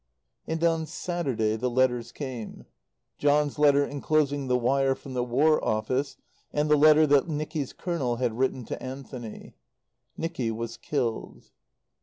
And on Saturday the letters came: John's letter enclosing the wire from the War Office, and the letter that Nicky's Colonel had written to Anthony. Nicky was killed.